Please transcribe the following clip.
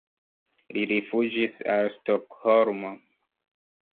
Li rifuĝis al Stokholmo.